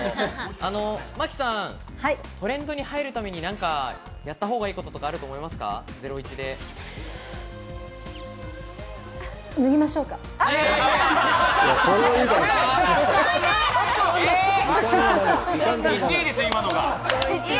真木さん、トレンドに入るために何かやったほうがいいことはあると思いますか？